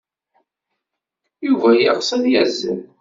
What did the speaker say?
Yuba yeɣs ad yazzel.